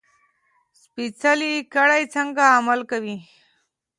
سپېڅلې کړۍ څنګه عمل کوي.